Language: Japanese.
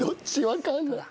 分かんない。